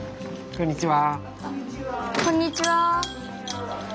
こんにちは。